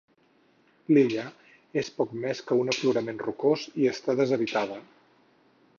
L'illa és poc més que un aflorament rocós i està deshabitada.